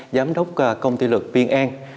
giám đốc công ty luật biên an